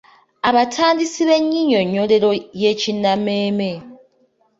Abatandisi b’Ennyinnyonnyolero y’Ekinnammeeme